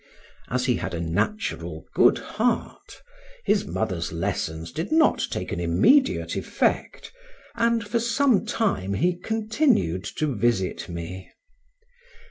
As he had a natural good heart his mother's lessons did not take an immediate effect, and for some time he continued to visit me.